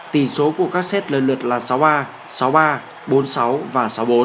tỷ số của các set lần lượt là sáu a sáu a bốn sáu và sáu bốn